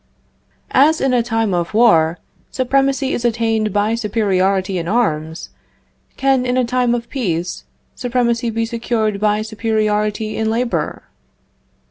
"As in a time of war, supremacy is attained by superiority in arms, can, in a time of peace, supremacy be secured by superiority in labor?"